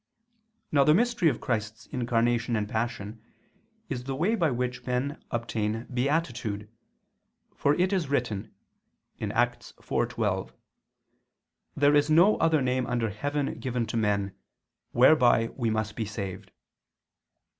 Now the mystery of Christ's Incarnation and Passion is the way by which men obtain beatitude; for it is written (Acts 4:12): "There is no other name under heaven given to men, whereby we must be saved."